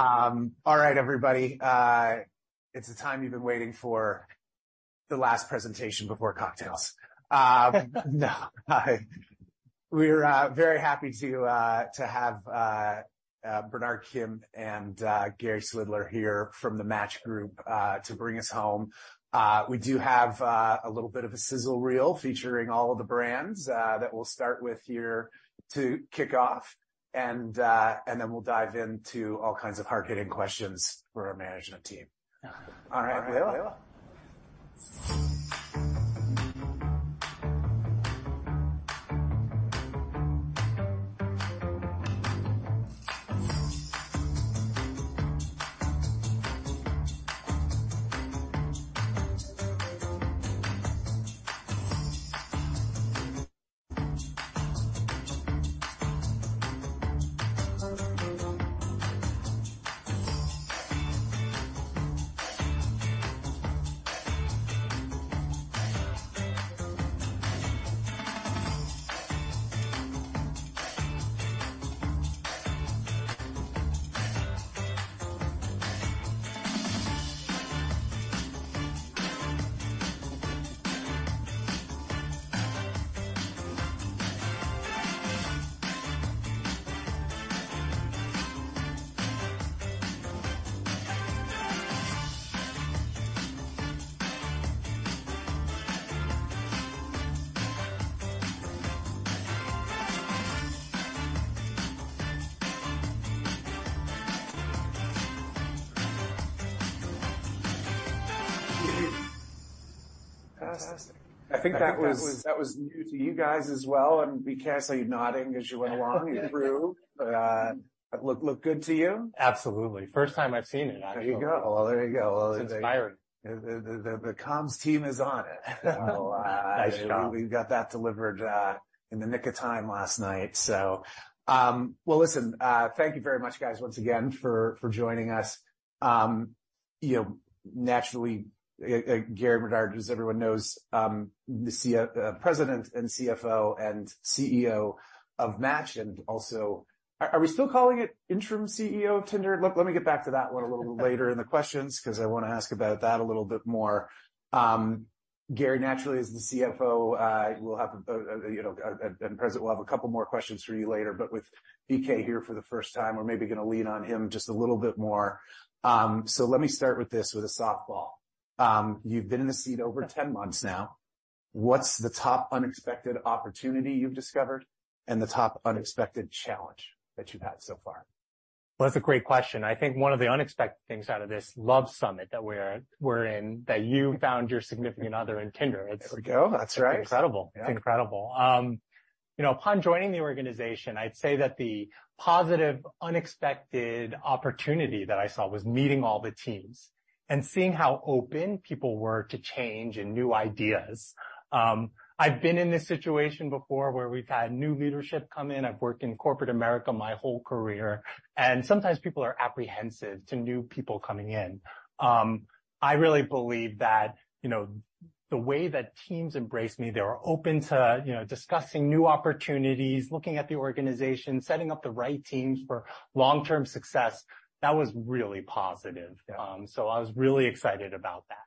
All right, everybody, it's the time you've been waiting for, the last presentation before cocktails. No. We're very happy to have Bernard Kim and Gary Swidler here from the Match Group to bring us home. We do have a little bit of a sizzle reel featuring all of the brands that we'll start with here to kick off, and then we'll dive into all kinds of hard-hitting questions for our management team. All right. Fantastic. I think that was, that was new to you guys as well, and BK, I saw you nodding as you went along through. That look good to you? Absolutely. First time I've seen it, actually. There you go. Well, there you go. It's inspiring. The comms team is on it. Nice job. We got that delivered in the nick of time last night. Well, listen, thank you very much, guys, once again for joining us. You know, naturally, Gary and Bernard, as everyone knows, the President and CFO and CEO of Match Group and also... Are we still calling it interim CEO of Tinder? Look, let me get back to that one a little later in the questions 'cause I wanna ask about that a little bit more. Gary, naturally, as the CFO, we'll have, you know, and President, we'll have a couple more questions for you later, but with BK here for the first time, we're maybe gonna lean on him just a little bit more. So let me start with this with a softball. You've been in the seat over 10 months now. What's the top unexpected opportunity you've discovered and the top unexpected challenge that you've had so far? Well, that's a great question. I think one of the unexpected things out of this love summit that we're in, that you found your significant other in Tinder, it's. There we go. That's right.... incredible. Yeah. It's incredible. You know, upon joining the organization, I'd say that the positive, unexpected opportunity that I saw was meeting all the teams and seeing how open people were to change and new ideas. I've been in this situation before where we've had new leadership come in. I've worked in corporate America my whole career, and sometimes people are apprehensive to new people coming in. I really believe that, you know, the way that teams embrace me, they are open to, you know, discussing new opportunities, looking at the organization, setting up the right teams for long-term success. That was really positive. Yeah. I was really excited about that.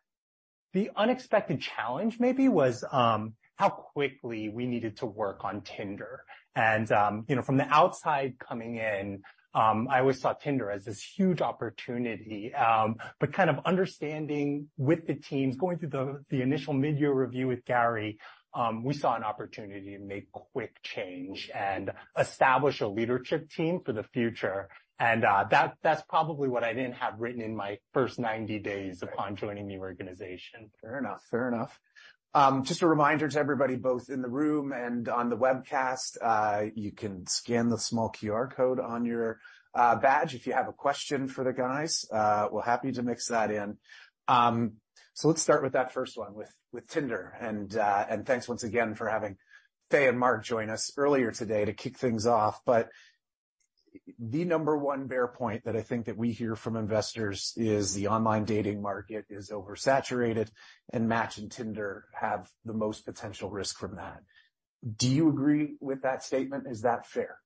The unexpected challenge maybe was how quickly we needed to work on Tinder and, you know, from the outside coming in, I always saw Tinder as this huge opportunity, but kind of understanding with the teams, going through the initial mid-year review with Gary, we saw an opportunity to make quick change and establish a leadership team for the future, that's probably what I didn't have written in my first 90 days upon joining the organization. Fair enough. Fair enough. Just a reminder to everybody, both in the room and on the webcast, you can scan the small QR code on your badge if you have a question for the guys. We're happy to mix that in. Let's start with that first one, with Tinder, thanks once again for having Faye and Mark join us earlier today to kick things off. The number one bear point that I think that we hear from investors is the online dating market is oversaturated, and Match and Tinder have the most potential risk from that. Do you agree with that statement? Is that fair?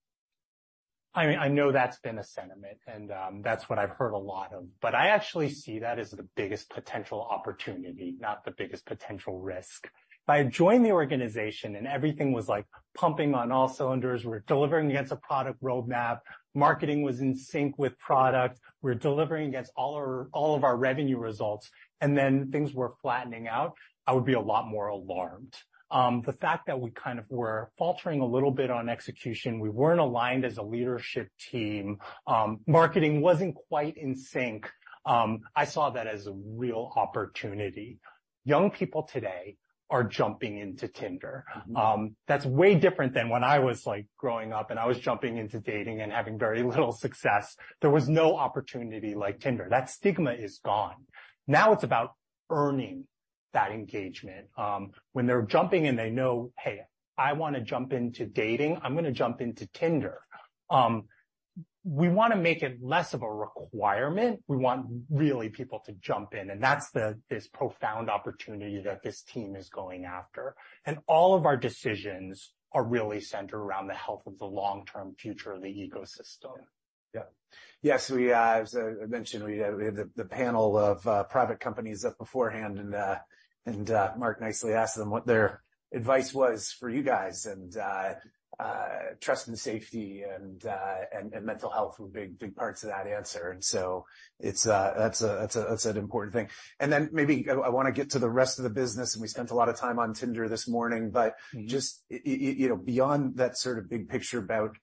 I mean, I know that's been a sentiment, and that's what I've heard a lot of, but I actually see that as the biggest potential opportunity, not the biggest potential risk. If I join the organization and everything was, like, pumping on all cylinders, we're delivering against a product roadmap, marketing was in sync with product, we're delivering against all of our revenue results, and then things were flattening out, I would be a lot more alarmed. The fact that we kind of were faltering a little bit on execution, we weren't aligned as a leadership team, marketing wasn't quite in sync, I saw that as a real opportunity. Young people today are jumping into Tinder. That's way different than when I was, like, growing up and I was jumping into dating and having very little success. There was no opportunity like Tinder. That stigma is gone. Now it's about earning that engagement. When they're jumping in, they know, "Hey, I wanna jump into dating, I'm gonna jump into Tinder." We wanna make it less of a requirement. We want really people to jump in, this profound opportunity that this team is going after. All of our decisions are really centered around the health of the long-term future of the ecosystem. Yeah. Yes, we, as I mentioned, we had the panel of private companies up beforehand, and Mark nicely asked them what their advice was for you guys and trust and safety and mental health were big, big parts of that answer. It's that's a that's a that's an important thing. Maybe I wanna get to the rest of the business, and we spent a lot of time on Tinder this morning. Just you know, beyond that sort of big picture about,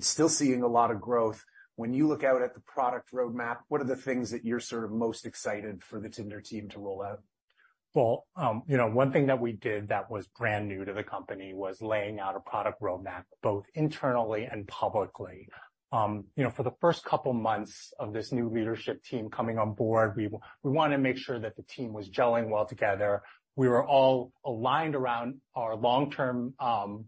still seeing a lot of growth, when you look out at the product roadmap, what are the things that you're sort of most excited for the Tinder team to roll out? You know, one thing that we did that was brand new to the company was laying out a product roadmap, both internally and publicly. You know, for the first couple months of this new leadership team coming on board, we wanna make sure that the team was gelling well together, we were all aligned around our long-term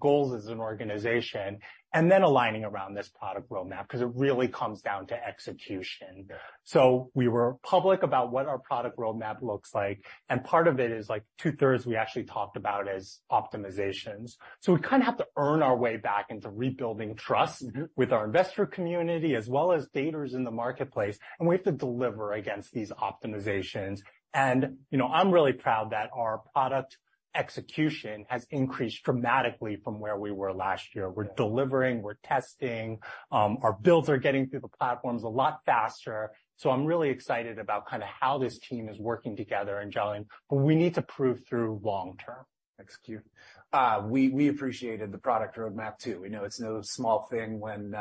goals as an organization, and then aligning around this product roadmap, 'cause it really comes down to execution. Yeah. We were public about what our product roadmap looks like, and part of it is, like, two-thirds we actually talked about as optimizations. We kinda have to earn our way back into rebuilding trust. With our investor community as well as daters in the marketplace, we have to deliver against these optimizations. You know, I'm really proud that our product execution has increased dramatically from where we were last year. Yeah. We're delivering, we're testing, our builds are getting through the platforms a lot faster. I'm really excited about kinda how this team is working together and gelling, but we need to prove through long term. Execute. We appreciated the product roadmap too. We know it's no small thing when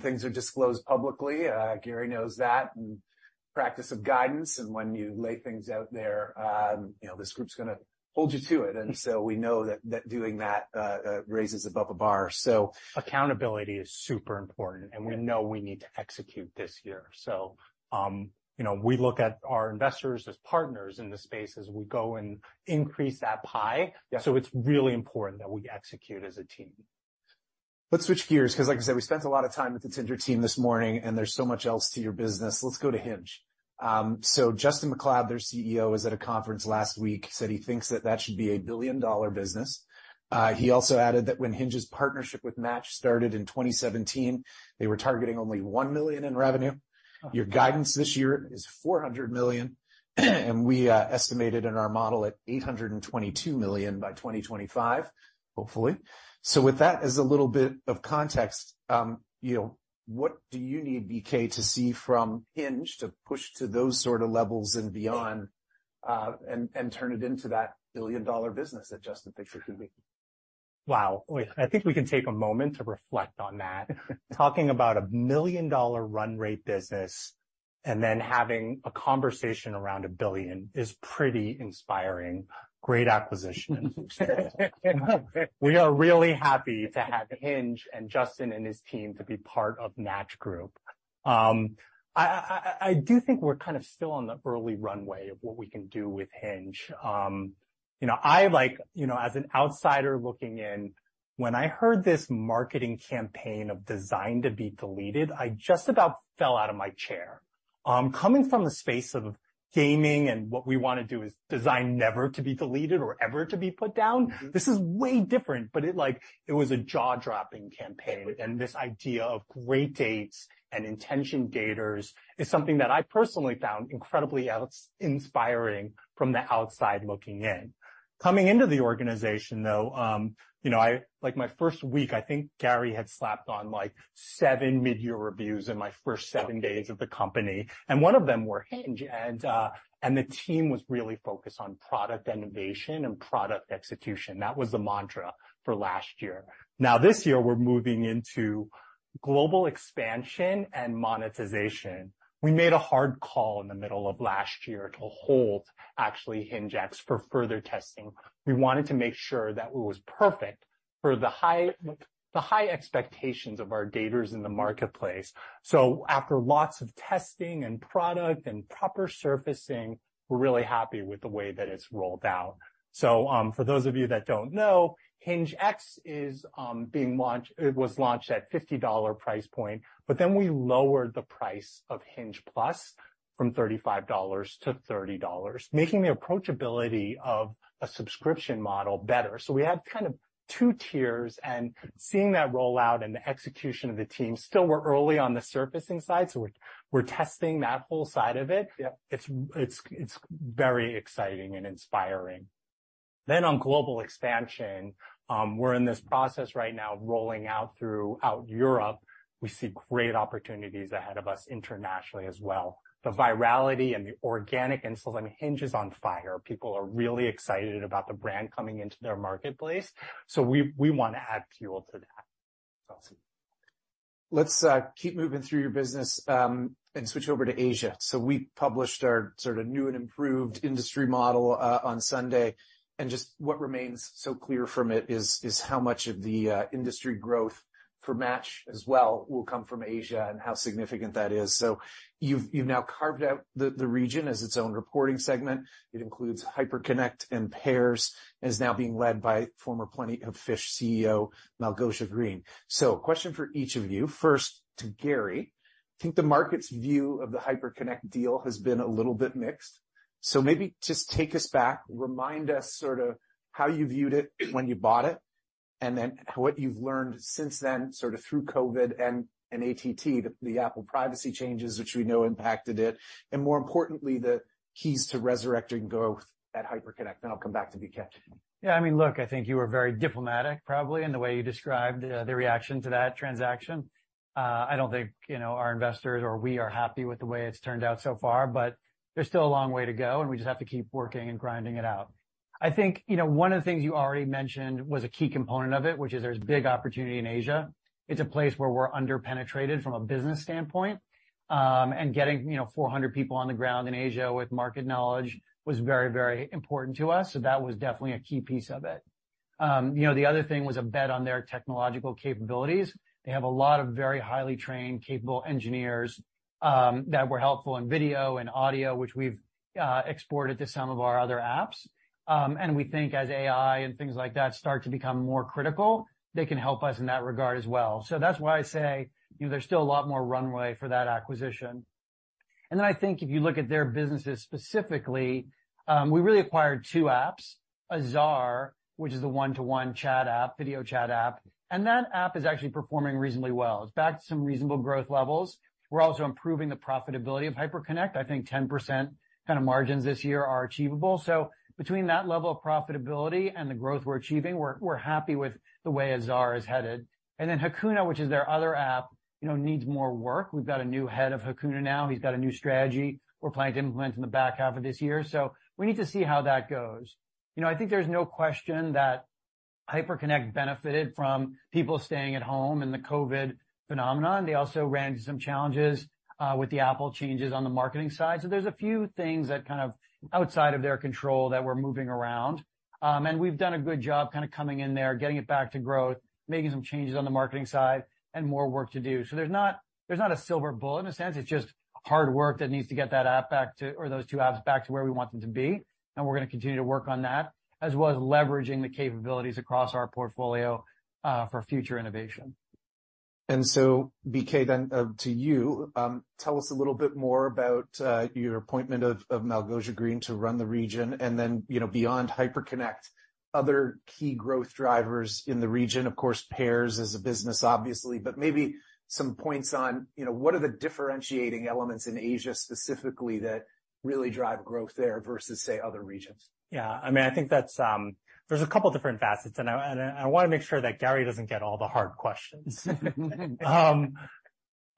things are disclosed publicly, Gary knows that, and practice of guidance and when you lay things out there, you know, this group's gonna hold you to it. We know that doing that raises above a bar. Accountability is super important. Yeah. We know we need to execute this year. You know, we look at our investors as partners in the space as we go and increase that pie. Yeah. It's really important that we execute as a team. Let's switch gears, 'cause like I said, we spent a lot of time with the Tinder team this morning, and there's so much else to your business. Let's go to Hinge. Justin McLeod, their CEO, was at a conference last week, said he thinks that should be a billion-dollar business. He also added that when Hinge's partnership with Match started in 2017, they were targeting only $1 million in revenue. Oh. Your guidance this year is $400 million, and we estimated in our model at $822 million by 2025, hopefully. With that as a little bit of context, you know, what do you need, BK, to see from Hinge to push to those sorta levels and beyond, and turn it into that billion-dollar business that Justin thinks it could be? Wow. Wait, I think we can take a moment to reflect on that. Talking about a million-dollar run rate business and then having a conversation around $1 billion is pretty inspiring. Great acquisition. We are really happy to have Hinge and Justin and his team to be part of Match Group. I do think we're kind of still on the early runway of what we can do with Hinge. you know, I like, you know, as an outsider looking in, when I heard this marketing campaign of Designed to Be Deleted, I just about fell out of my chair. coming from the space of gaming and what we wanna do is designed never to be deleted or ever to be put down. This is way different, but it, like, it was a jaw-dropping campaign. Yeah. This idea of great dates and intention daters is something that I personally found incredibly inspiring from the outside looking in. Coming into the organization, though, you know, I, like, my first week, I think Gary had slapped on, like, 7 mid-year reviews in my first 7 days of the company, and one of them were Hinge. The team was really focused on product innovation and product execution. That was the mantra for last year. Now, this year, we're moving into global expansion and monetization. We made a hard call in the middle of last year to hold actually HingeX for further testing. We wanted to make sure that it was perfect for the high expectations of our daters in the marketplace. After lots of testing and product and proper surfacing, we're really happy with the way that it's rolled out. For those of you that don't know, HingeX is being launched, it was launched at $50 price point, we lowered the price of Hinge+ from $35 to $30, making the approachability of a subscription model better. We had kind of two tiers, and seeing that roll out and the execution of the team, still we're early on the surfacing side, we're testing that whole side of it. Yeah. It's very exciting and inspiring. On global expansion, we're in this process right now of rolling out throughout Europe. We see great opportunities ahead of us internationally as well. The virality and the organic install, I mean, Hinge is on fire. People are really excited about the brand coming into their marketplace, so we wanna add fuel to that. Awesome. Let's keep moving through your business, and switch over to Asia. We published our sort of new and improved industry model, on Sunday, and just what remains so clear from it is how much of the industry growth for Match as well will come from Asia and how significant that is. You've, you've now carved out the region as its own reporting segment. It includes Hyperconnect and Pairs, and is now being led by former Plenty of Fish CEO, Malgosia Green. Question for each of you. First to Gary-I think the market's view of the Hyperconnect deal has been a little bit mixed. Maybe just take us back, remind us sort of how you viewed it when you bought it, and then what you've learned since then, sort of through COVID and ATT, the Apple privacy changes which we know impacted it, and more importantly, the keys to resurrecting growth at Hyperconnect. I'll come back to BK. Yeah, I mean, look, I think you were very diplomatic probably in the way you described the reaction to that transaction. I don't think, you know, our investors or we are happy with the way it's turned out so far, but there's still a long way to go, and we just have to keep working and grinding it out. I think, you know, one of the things you already mentioned was a key component of it, which is there's big opportunity in Asia. It's a place where we're under-penetrated from a business standpoint, and getting, you know, 400 people on the ground in Asia with market knowledge was very, very important to us. That was definitely a key piece of it. You know, the other thing was a bet on their technological capabilities. They have a lot of very highly trained, capable engineers that were helpful in video and audio, which we've exported to some of our other apps. We think as AI and things like that start to become more critical, they can help us in that regard as well. That's why I say, you know, there's still a lot more runway for that acquisition. I think if you look at their businesses specifically, we really acquired two apps, Azar, which is a one-to-one chat app, video chat app, and that app is actually performing reasonably well. It's back to some reasonable growth levels. We're also improving the profitability of Hyperconnect. I think 10% kind of margins this year are achievable. Between that level of profitability and the growth we're achieving, we're happy with the way Azar is headed. Hakuna, which is their other app, you know, needs more work. We've got a new head of Hakuna now. He's got a new strategy we're planning to implement in the back half of this year, so we need to see how that goes. You know, I think there's no question that Hyperconnect benefited from people staying at home and the COVID phenomenon. They also ran into some challenges with the Apple changes on the marketing side. There's a few things that kind of outside of their control that we're moving around. And we've done a good job kinda coming in there, getting it back to growth, making some changes on the marketing side, and more work to do. There's not a silver bullet in a sense. It's just hard work that needs to get that app back to, or those two apps back to where we want them to be, and we're gonna continue to work on that, as well as leveraging the capabilities across our portfolio, for future innovation. BK, then, to you, tell us a little bit more about your appointment of Malgosia Green to run the region and then, you know, beyond Hyperconnect, other key growth drivers in the region. Of course, Pairs is a business, obviously, but maybe some points on, you know, what are the differentiating elements in Asia specifically that really drive growth there versus, say, other regions? Yeah, I mean, I think that's, there's a couple different facets, and I, and I wanna make sure that Gary doesn't get all the hard questions.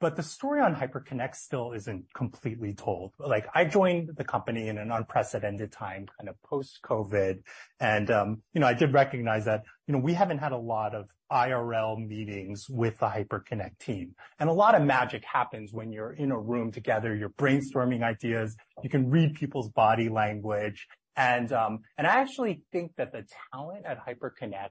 The story on Hyperconnect still isn't completely told. Like, I joined the company in an unprecedented time, kind of post-COVID, and, you know, I did recognize that, you know, we haven't had a lot of IRL meetings with the Hyperconnect team. A lot of magic happens when you're in a room together, you're brainstorming ideas, you can read people's body language. I actually think that the talent at Hyperconnect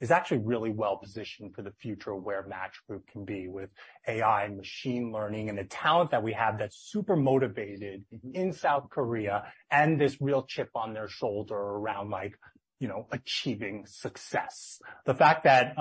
is actually really well-positioned for the future of where Match Group can be with AI and machine learning and the talent that we have that's super motivated in South Korea and this real chip on their shoulder around like, you know, achieving success. The fact that,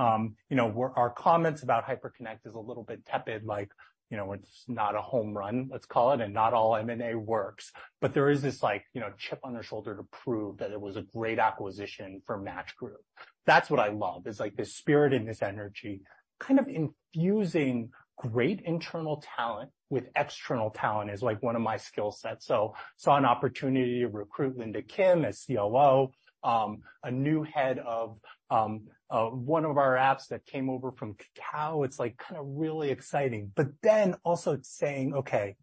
you know, our comments about Hyperconnect is a little bit tepid, like, you know, it's not a home run, let's call it, and not all M&A works. There is this like, you know, chip on their shoulder to prove that it was a great acquisition for Match Group. That's what I love, is like this spirit and this energy, kind of infusing great internal talent with external talent is like one of my skill sets. saw an opportunity to recruit Linda Kim as COO, a new head of one of our apps that came over from Kakao. It's like kinda really exciting. Also it's saying, okay,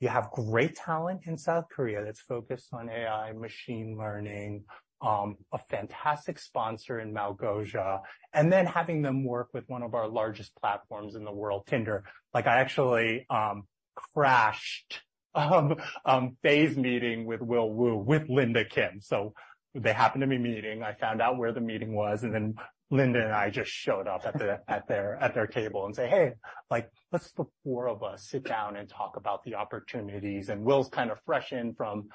you have great talent in South Korea that's focused on AI, machine learning, a fantastic sponsor in Malgosia, and then having them work with one of our largest platforms in the world, Tinder. Like, I actually crashed Faye's meeting with Will Wu with Linda Kim. They happened to be meeting. I found out where the meeting was, Linda and I just showed up at their table and say, "Hey, like, let's the four of us sit down and talk about the opportunities." Will's kinda fresh in from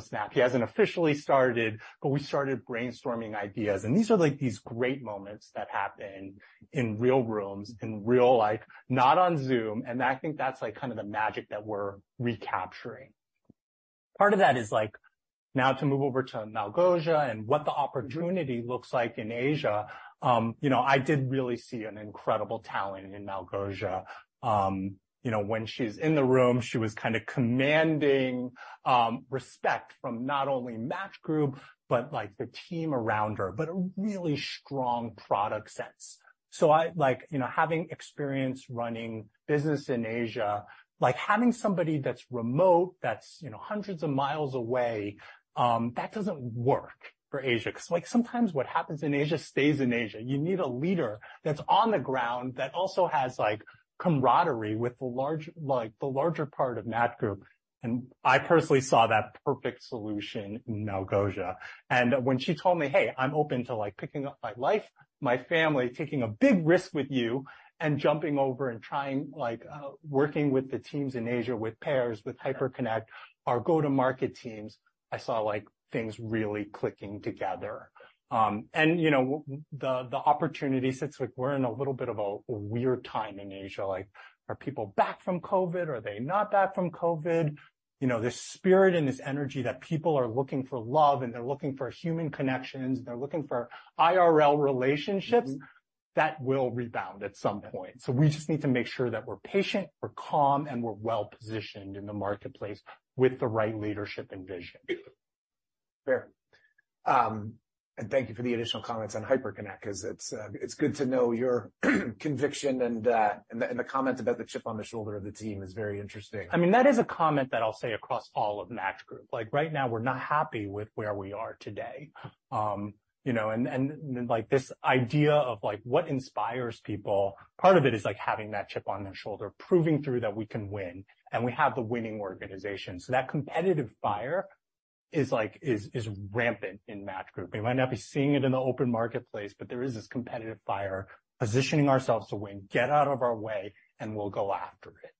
Snap. He hasn't officially started, we started brainstorming ideas. These are like these great moments that happen in real rooms, in real life, not on Zoom. I think that's like kinda the magic that we're recapturing. Part of that is like, now to move over to Malgosia and what the opportunity looks like in Asia, you know, I did really see an incredible talent in Malgosia. You know, when she's in the room, she was kinda commanding, respect from not only Match Group, but like the team around her, but a really strong product sense. I, like, you know, having experience running business in Asia, like having somebody that's remote, that's, you know, hundreds of miles away, that doesn't work for Asia 'cause like sometimes what happens in Asia stays in Asia. You need a leader that's on the ground that also has like camaraderie with the large, like the larger part of Match Group, and I personally saw that perfect solution in Malgosia. When she told me, "Hey, I'm open to like picking up my life, my family, taking a big risk with you and jumping over and trying, like, working with the teams in Asia, with Pairs, with Hyperconnect, our go-to-market teams," I saw like things really clicking together. You know, the opportunity sits like we're in a little bit of a weird time in Asia. Like, are people back from COVID? Are they not back from COVID? You know, this spirit and this energy that people are looking for love, and they're looking for human connections, they're looking for IRL relationships. That will rebound at some point. We just need to make sure that we're patient, we're calm, and we're well-positioned in the marketplace with the right leadership and vision. Fair. Thank you for the additional comments on Hyperconnect, 'cause it's good to know your conviction and the comment about the chip on the shoulder of the team is very interesting. I mean, that is a comment that I'll say across all of Match Group. Like, right now, we're not happy with where we are today. You know, and like, this idea of, like, what inspires people, part of it is, like, having that chip on their shoulder, proving through that we can win, and we have the winning organization. That competitive fire is, like, is rampant in Match Group. We might not be seeing it in the open marketplace, but there is this competitive fire positioning ourselves to win, get out of our way, and we'll go after it.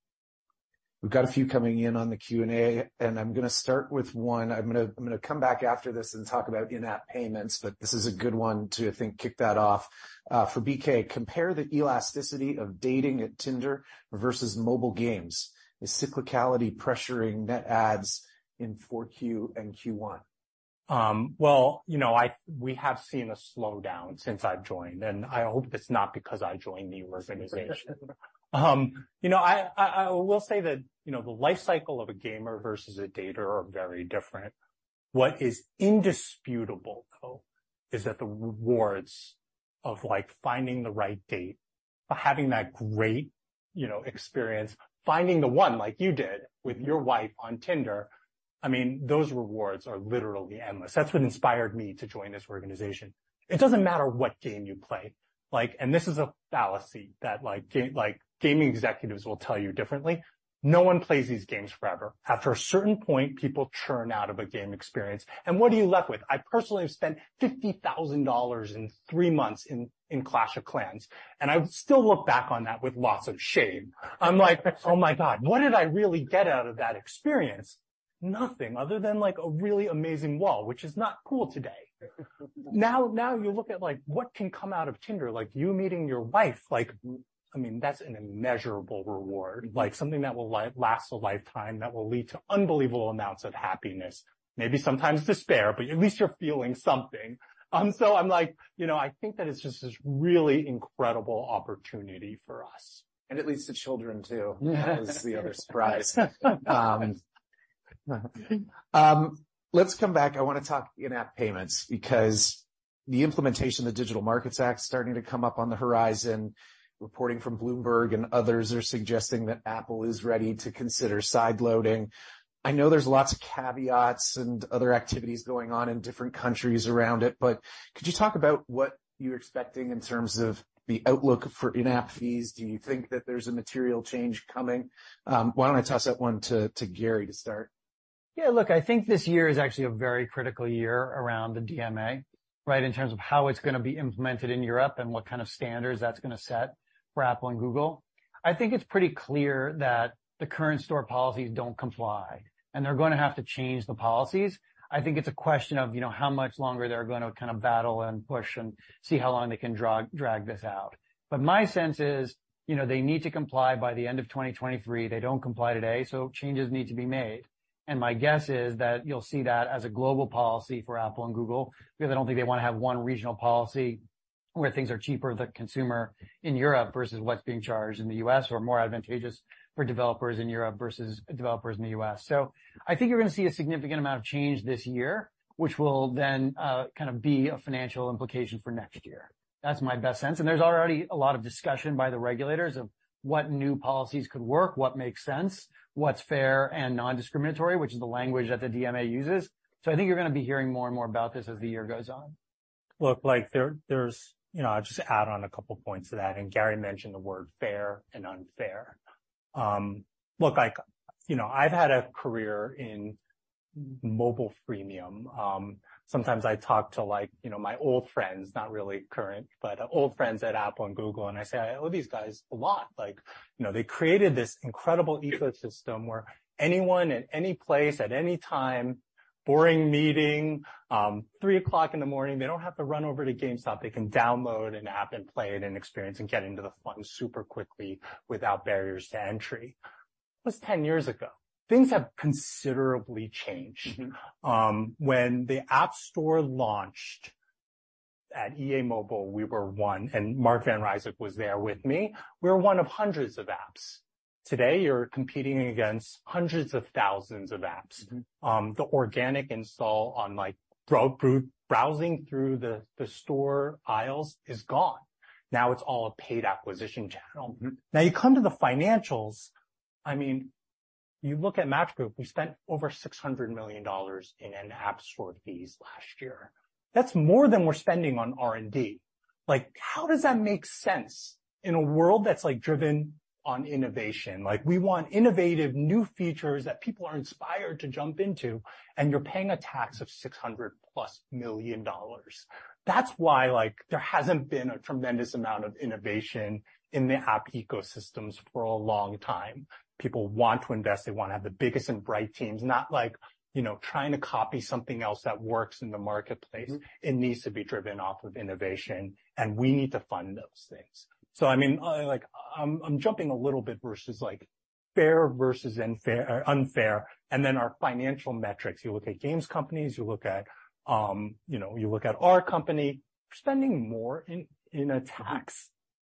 We've got a few coming in on the Q&A, I'm gonna start with one. I'm gonna come back after this and talk about in-app payments. This is a good one to, I think, kick that off. For B.K., compare the elasticity of dating at Tinder versus mobile games. Is cyclicality pressuring net ads in 4Q and Q1? Well, you know, we have seen a slowdown since I've joined, and I hope it's not because I joined the organization. You know, I will say that, you know, the life cycle of a gamer versus a dater are very different. What is indisputable, though, is that the rewards of, like, finding the right date, or having that great, you know, experience, finding the one like you did with your wife on Tinder, I mean, those rewards are literally endless. That's what inspired me to join this organization. It doesn't matter what game you play, like, and this is a fallacy that, like, gaming executives will tell you differently. No one plays these games forever. After a certain point, people churn out of a game experience. What are you left with? I personally have spent $50,000 in 3 months in Clash of Clans, and I still look back on that with lots of shame. I'm like, "Oh, my God, what did I really get out of that experience?" Nothing, other than, like, a really amazing wall, which is not cool today. Now you look at, like, what can come out of Tinder, like you meeting your wife. Like, I mean, that's an immeasurable reward, like something that will last a lifetime, that will lead to unbelievable amounts of happiness, maybe sometimes despair, but at least you're feeling something. I'm like, you know, I think that it's just this really incredible opportunity for us. It leads to children too. Yes. That was the other surprise. Let's come back. I wanna talk in-app payments because the implementation of the Digital Markets Act is starting to come up on the horizon. Reporting from Bloomberg and others are suggesting that Apple is ready to consider sideloading. I know there's lots of caveats and other activities going on in different countries around it, but could you talk about what you're expecting in terms of the outlook for in-app fees? Do you think that there's a material change coming? Why don't I toss that one to Gary to start? Yeah, look, I think this year is actually a very critical year around the DMA, right, in terms of how it's gonna be implemented in Europe and what kind of standards that's gonna set for Apple and Google. I think it's pretty clear that the current store policies don't comply, and they're gonna have to change the policies. I think it's a question of, you know, how much longer they're gonna kind of battle and push and see how long they can drag this out. My sense is, you know, they need to comply by the end of 2023. They don't comply today, so changes need to be made. My guess is that you'll see that as a global policy for Apple and Google, because I don't think they wanna have one regional policy where things are cheaper, the consumer in Europe versus what's being charged in the US, or more advantageous for developers in Europe versus developers in the US. I think you're gonna see a significant amount of change this year, which will then kind of be a financial implication for next year. That's my best sense. There's already a lot of discussion by the regulators of what new policies could work, what makes sense, what's fair and non-discriminatory, which is the language that the DMA uses. I think you're gonna be hearing more and more about this as the year goes on. Look, like there's, you know, I'll just add on a couple points to that. Gary mentioned the word fair and unfair. Look, like, you know, I've had a career in mobile freemium. Sometimes I talk to like, you know, my old friends, not really current, but old friends at Apple and Google, and I say, "I owe these guys a lot." Like, you know, they created this incredible ecosystem where anyone at any place at any time, boring meeting, three o'clock in the morning, they don't have to run over to GameStop. They can download an app and play it and experience and get into the fun super quickly without barriers to entry. That was 10 years ago. Things have considerably changed when the App Store launched at EA Mobile, we were one, and Mark Van Ryswyk was there with me. We were one of hundreds of apps. Today, you're competing against hundreds of thousands of apps. The organic install on browsing through the store aisles is gone. Now it's all a paid acquisition channel. You come to the financials. I mean, you look at Match Group. We spent over $600 million in in App Store fees last year. That's more than we're spending on R&D. How does that make sense in a world that's, like, driven on innovation? We want innovative new features that people are inspired to jump into, you're paying a tax of $600+ million. That's why, like, there hasn't been a tremendous amount of innovation in the app ecosystems for a long time. People want to invest. They wanna have the biggest and bright teams, not like, you know, trying to copy something else that works in the marketplace. It needs to be driven off of innovation, and we need to fund those things. I mean, like, I'm jumping a little bit versus Fair versus unfair, or unfair, and then our financial metrics. You look at games companies, you look at, you know, you look at our company spending more in attacks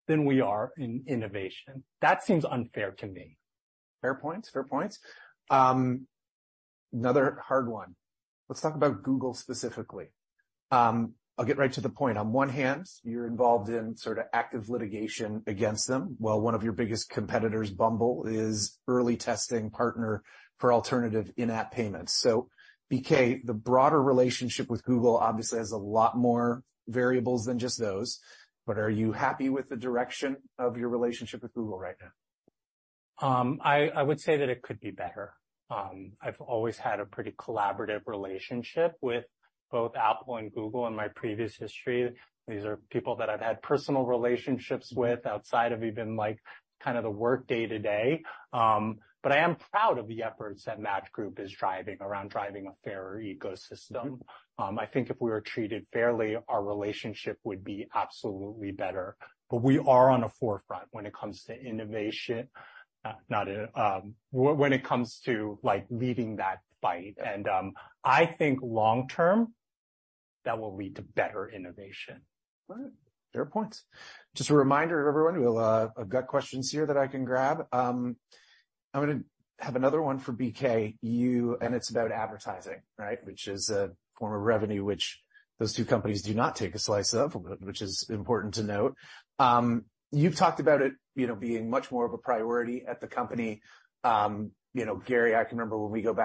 than we are in innovation. That seems unfair to me. Fair points. Fair points. Another hard one. Let's talk about Google specifically. I'll get right to the point. On one hand, you're involved in sort of active litigation against them, while one of your biggest competitors, Bumble, is early testing partner for alternative in-app payments. BK, the broader relationship with Google obviously has a lot more variables than just those, but are you happy with the direction of your relationship with Google right now? I would say that it could be better. I've always had a pretty collaborative relationship with both Apple and Google in my previous history. These are people that I've had personal relationships with outside of even, like, kind of the work day to day. I am proud of the efforts that Match Group is driving around driving a fairer ecosystem. I think if we were treated fairly, our relationship would be absolutely better. We are on a forefront when it comes to innovation, when it comes to, like, leading that fight. I think long term, that will lead to better innovation. All right. Fair point. Just a reminder to everyone, we'll, I've got questions here that I can grab. I'm gonna have another one for B.K. It's about advertising, right? Which is a form of revenue which those two companies do not take a slice of, which is important to note. You've talked about it, you know, being much more of a priority at the company. You know, Gary, I can remember when we went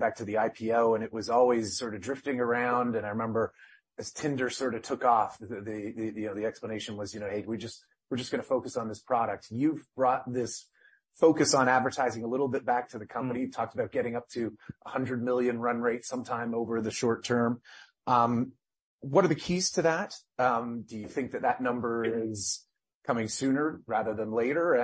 back to the IPO, it was always sort of drifting around. I remember as Tinder sort of took off, the, you know, the explanation was, you know, "Hey, we're just gonna focus on this product." You've brought this focus on advertising a little bit back to the company. You talked about getting up to a $100 million run rate sometime over the short term. What are the keys to that? Do you think that that number is coming sooner rather than later?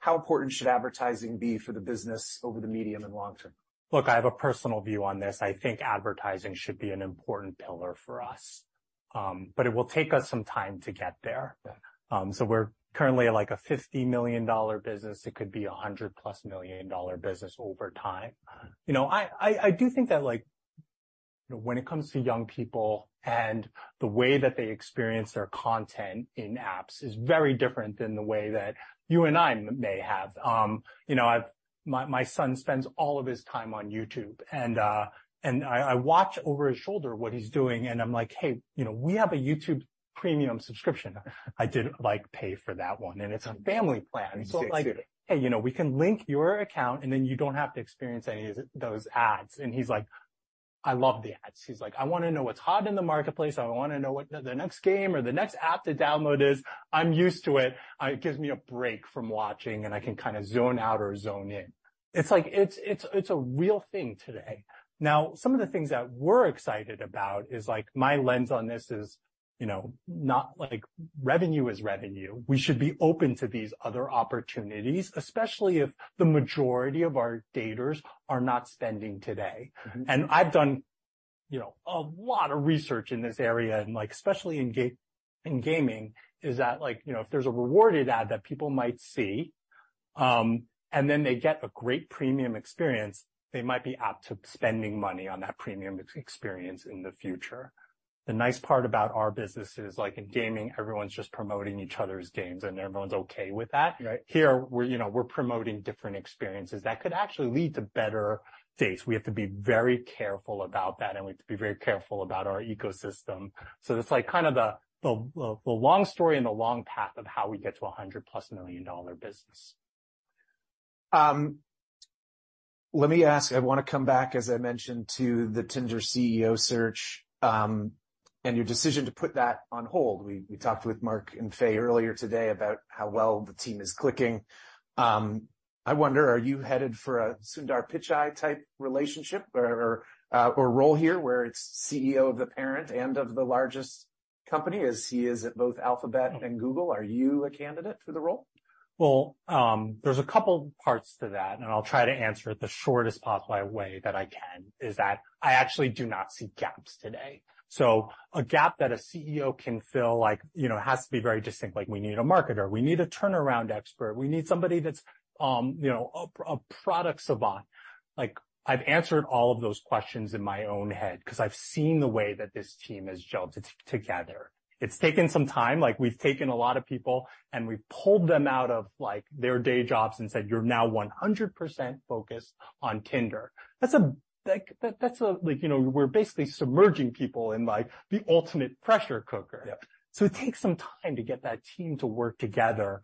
How important should advertising be for the business over the medium and long term? Look, I have a personal view on this. I think advertising should be an important pillar for us. It will take us some time to get there. Yeah. We're currently like a $50 million business. It could be a $100+ million business over time. You know, I, I do think that, like, when it comes to young people and the way that they experience their content in apps is very different than the way that you and I may have. You know, my son spends all of his time on YouTube, and I watch over his shoulder what he's doing, and I'm like, "Hey, you know, we have a YouTube Premium subscription." I did, like, pay for that one, and it's a family plan. I see. Hey, you know, we can link your account, then you don't have to experience any of those ads. He's like, "I love the ads." He's like, "I wanna know what's hot in the marketplace. I wanna know what the next game or the next app to download is. I'm used to it. It gives me a break from watching, and I can kinda zone out or zone in." It's like it's a real thing today. Now, some of the things that we're excited about is, like, my lens on this is, you know, not like revenue is revenue. We should be open to these other opportunities, especially if the majority of our daters are not spending today. I've done, you know, a lot of research in this area, and like, especially in gaming, is that, like, you know, if there's a rewarded ad that people might see, and then they get a great premium experience, they might be apt to spending money on that premium experience in the future. The nice part about our business is like in gaming, everyone's just promoting each other's games, and everyone's okay with that. Right. Here we're, you know, we're promoting different experiences that could actually lead to better dates. We have to be very careful about that, and we have to be very careful about our ecosystem. It's like kind of the long story and the long path of how we get to a $100+ million dollar business. Let me ask. I wanna come back, as I mentioned, to the Tinder CEO search, and your decision to put that on hold. We talked with Mark and Faye earlier today about how well the team is clicking. I wonder, are you headed for a Sundar Pichai type relationship or role here where it's CEO of the parent and of the largest company as he is at both Alphabet and Google? Are you a candidate for the role? There's a couple parts to that, and I'll try to answer it the shortest possible way that I can, is that I actually do not see gaps today. A gap that a CEO can fill, like, you know, has to be very distinct. Like, we need a marketer, we need a turnaround expert, we need somebody that's, you know, a product savant. Like, I've answered all of those questions in my own head 'cause I've seen the way that this team has gelled together. It's taken some time. Like, we've taken a lot of people, and we've pulled them out of, like, their day jobs and said, "You're now 100% focused on Tinder." That's like that's a, like, you know, we're basically submerging people in, like, the ultimate pressure cooker. Yeah. It takes some time to get that team to work together.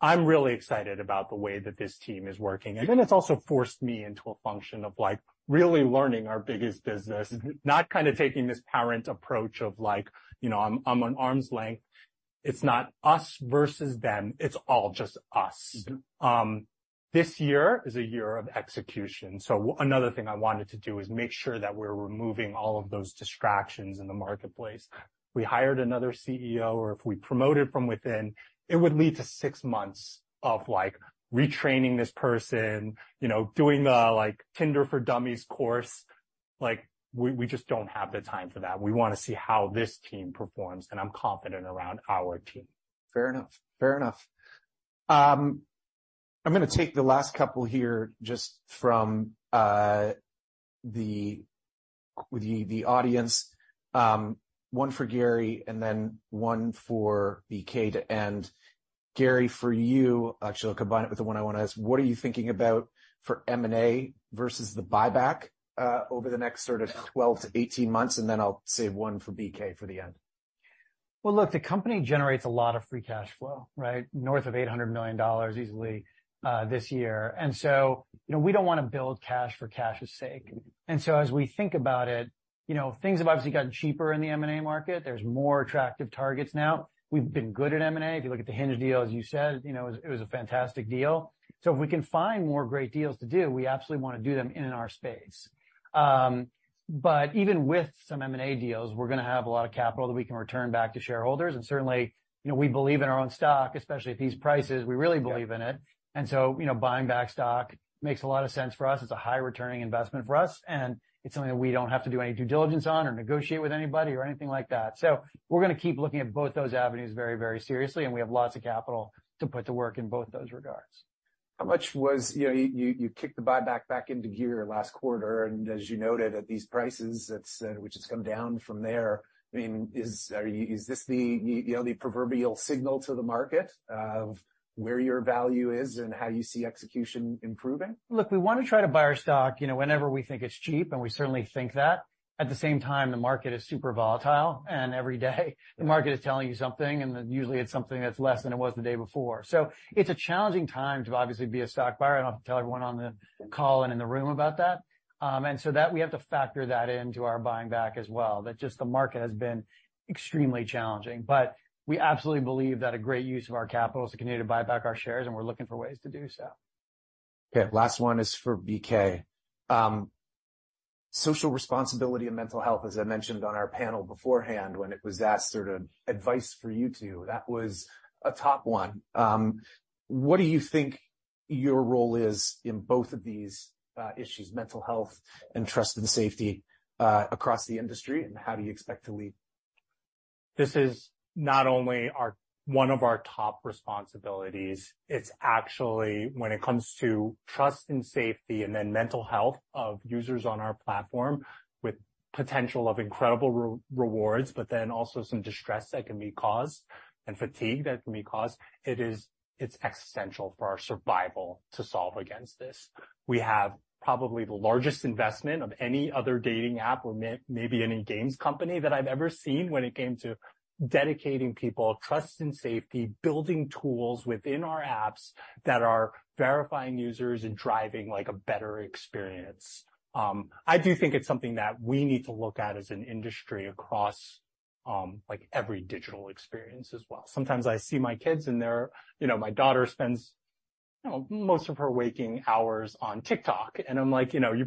I'm really excited about the way that this team is working. It's also forced me into a function of, like, really learning our biggest business, not kind of taking this parent approach of like, you know, I'm an arm's length. It's not us versus them, it's all just us. This year is a year of execution, another thing I wanted to do is make sure that we're removing all of those distractions in the marketplace. If we hired another CEO, or if we promoted from within, it would lead to six months of, like, retraining this person, you know, doing a, like, Tinder for dummies course. Like, we just don't have the time for that. We wanna see how this team performs, and I'm confident around our team. Fair enough. Fair enough. I'm gonna take the last couple here just from the audience, one for Gary and then one for BK to end. Gary, for you, actually, I'll combine it with the one I wanna ask, what are you thinking about for M&A versus the buyback, over the next sort of 12-18 months? Then I'll save one for BK for the end. Well, look, the company generates a lot of free cash flow, right? North of $800 million easily this year. You know, we don't wanna build cash for cash's sake. As we think about it, you know, things have obviously gotten cheaper in the M&A market. There's more attractive targets now. We've been good at M&A. If you look at the Hinge deal, as you said, you know, it was a fantastic deal. If we can find more great deals to do, we absolutely wanna do them in our space. Even with some M&A deals, we're gonna have a lot of capital that we can return back to shareholders. Certainly, you know, we believe in our own stock, especially at these prices. We really believe in it. You know, buying back stock makes a lot of sense for us. It's a high returning investment for us, and it's something that we don't have to do any due diligence on or negotiate with anybody or anything like that. We're gonna keep looking at both those avenues very, very seriously, and we have lots of capital to put to work in both those regards. You know, you kicked the buyback back into gear last quarter, and as you noted, at these prices, it's which has come down from there, I mean, Are you Is this the, you know, the proverbial signal to the market of where your value is and how you see execution improving? Look, we wanna try to buy our stock, you know, whenever we think it's cheap, and we certainly think that. At the same time, the market is super volatile, and every day the market is telling you something, and usually it's something that's less than it was the day before. It's a challenging time to obviously be a stock buyer. I don't have to tell everyone on the call and in the room about that. We have to factor that into our buying back as well, that just the market has been extremely challenging. We absolutely believe that a great use of our capital is to continue to buy back our shares, and we're looking for ways to do so. Okay, last one is for BK. Social responsibility and mental health, as I mentioned on our panel beforehand, when it was asked sort of advice for you two, that was a top one. What do you think your role is in both of these, issues, mental health and trust and safety, across the industry, and how do you expect to lead? This is not only one of our top responsibilities, it's actually when it comes to trust and safety and then mental health of users on our platform with potential of incredible rewards, also some distress that can be caused and fatigue that can be caused, it's existential for our survival to solve against this. We have probably the largest investment of any other dating app or maybe any games company that I've ever seen when it came to dedicating people, trust and safety, building tools within our apps that are verifying users and driving, like, a better experience. I do think it's something that we need to look at as an industry across, like, every digital experience as well. Sometimes I see my kids and they're... You know, my daughter spends, you know, most of her waking hours on TikTok, and I'm like, "You know, you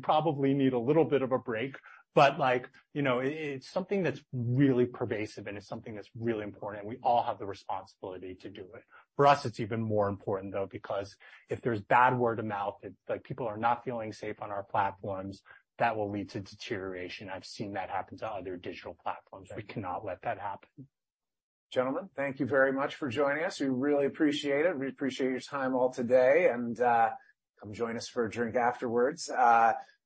probably need a little bit of a break." Like, you know, it's something that's really pervasive, and it's something that's really important, and we all have the responsibility to do it. For us, it's even more important, though, because if there's bad word of mouth, if, like, people are not feeling safe on our platforms, that will lead to deterioration. I've seen that happen to other digital platforms. We cannot let that happen. Gentlemen, thank you very much for joining us. We really appreciate it. We appreciate your time all today. Come join us for a drink afterwards.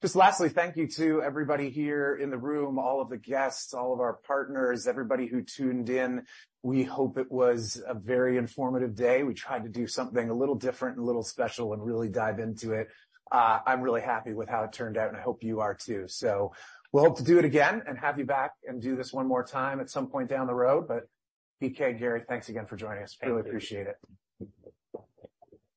Just lastly, thank you to everybody here in the room, all of the guests, all of our partners, everybody who tuned in. We hope it was a very informative day. We tried to do something a little different and a little special and really dive into it. I'm really happy with how it turned out. I hope you are too. We'll hope to do it again and have you back and do this one more time at some point down the road. BK, Gary, thanks again for joining us. Thank you. Really appreciate it.